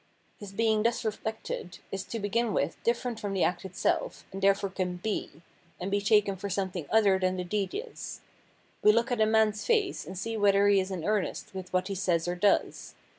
His being thus reflected is to begin with different from the act itself, and therefore can he, and be taken for something other than tlie deed is. We look at a man's face and see whether he is in earnest with, what he says or does.